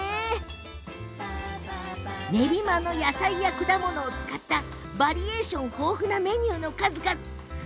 練馬の野菜や果物を使ったバリエーション豊富なメニューの数々。